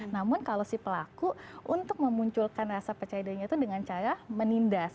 namun kalau si pelaku untuk memunculkan rasa percaya dirinya itu dengan cara menindas